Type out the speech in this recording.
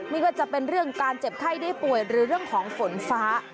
ไม่ว่าจะเป็นเรื่องการเจ็บไข้ได้ป่วยหรือเรื่องของฝนฟ้า